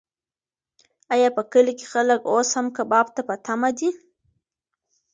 ایا په کلي کې خلک اوس هم کباب ته په تمه دي؟